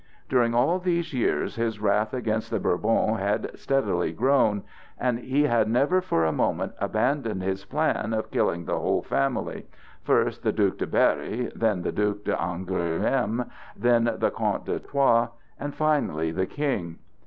During all these years his wrath against the Bourbons had steadily grown, and he had never for a moment abandoned his plan of killing the whole family,—first the Duc de Berry, then the Duc d'Angoulême, then the Comte d'Artois, and finally the King.